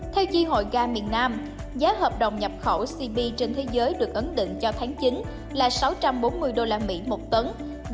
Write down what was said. theo chi hội ga miền nam giá hợp đồng nhập khẩu cp trên thế giới được ấn định cho tháng chín là sáu trăm bốn mươi usd một tấn